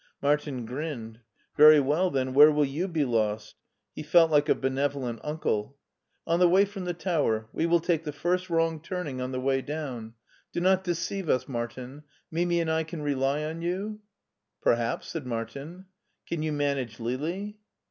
Martin grinned. "Very well, then. Where will you be lost ?" He felt like a benevolent uncle. "On the way from the tower. We will take the first wrong turning on the way down. Do. not de HEIDELBERG 47 ceivc us, Martin. Mimi and I can rely on you?*' "Perhaps," said Martin. " Can you manage Lili